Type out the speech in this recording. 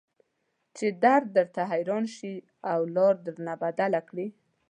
چې درد درته حيران شي او لار درنه بدله کړي.